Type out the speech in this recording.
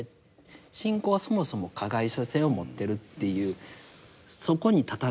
信仰はそもそも加害者性を持ってるっていうそこに立たねばならない。